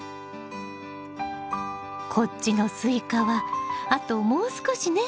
こっちのスイカはあともう少しね。